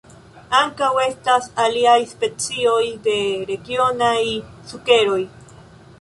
Ankaŭ estas aliaj specoj de regionaj sukeroj.